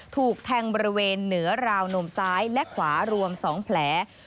ถูกแทงบริเวณเหนือราวนมซ้ายและขวารวม๒แผล